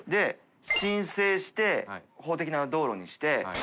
申請して法的な道路にして毅娃娃伊